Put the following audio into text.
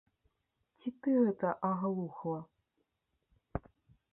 Ці ты гэта аглухла?